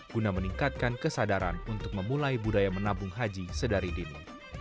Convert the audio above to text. guna meningkatkan kesadaran untuk memulai budaya menabung haji sedari dini